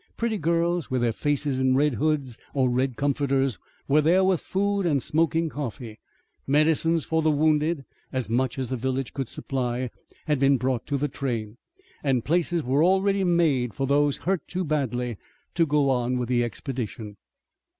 Pretty girls with their faces in red hoods or red comforters were there with food and smoking coffee. Medicines for the wounded, as much as the village could supply, had been brought to the train, and places were already made for those hurt too badly to go on with the expedition.